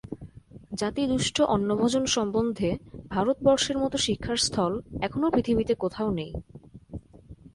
জাতিদুষ্ট অন্নভোজন সম্বন্ধে ভারতবর্ষের মত শিক্ষার স্থল এখনও পৃথিবীতে কোথাও নেই।